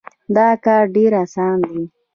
دا کار ډېر اسان دی.